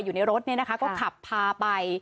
อยู่ในรถก็ขับพาไป